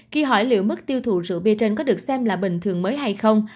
khi hỏi liệu mức tiêu thụ rượu bia trên có được xem là bình thường mới hay không